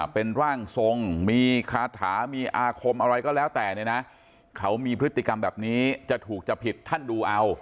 เป็นร่างทรงมีคาถามีอาคมอะไรก็แล้วแต่เนี่ยนะเขามีพฤติกรรมแบบนี้จะถูกจะผิดท่านดูเอา